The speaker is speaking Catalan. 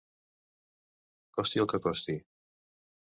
Costi el que costi.